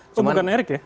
oh bukan erik ya